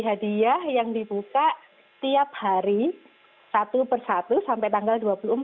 jadi hadiah yang dibuka tiap hari satu per satu sampai tanggal dua puluh empat